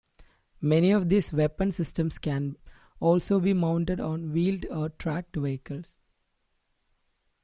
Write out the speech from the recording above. Many of these weapon systems can also be mounted on wheeled or tracked vehicles.